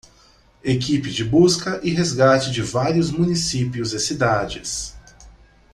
Equipe de busca e resgate de vários municípios e cidades